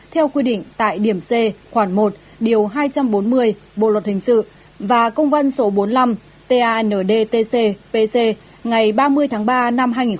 theo quy định tại điểm c khoảng một điều hai trăm bốn mươi bộ luật hình sự và công văn số bốn mươi năm tandtcpc ngày ba mươi tháng ba năm hai nghìn hai mươi